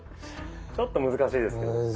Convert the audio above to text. ちょっと難しいですけど。